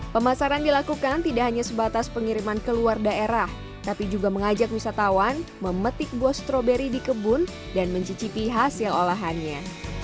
pemasaran dilakukan tidak hanya sebatas pengiriman ke luar daerah tapi juga mengajak wisatawan memetik buah stroberi di kebun dan mencicipi hasil olahannya